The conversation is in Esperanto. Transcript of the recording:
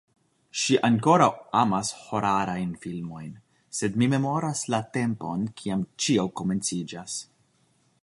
Ŝi ankoraŭ amas hororajn filmojn sed mi memoras la tempon, kiam ĉio komenciĝas